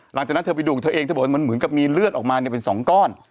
หลังจากนั้นเธอไปดูของเธอเองเธอบอกว่ามันเหมือนกับมีเลือดออกมาเนี่ยเป็นสองก้อน